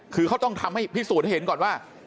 คือเขาต้องทำให้พิสูจน์ให้เห็นก่อนว่า